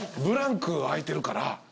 ブランク空いてるから。